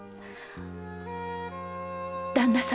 旦那様。